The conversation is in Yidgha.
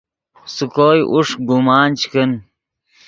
سے کوئے اوݰک گمان چے کن